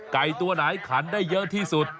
ไก่ตัวไหนขันได้เยอะที่สุด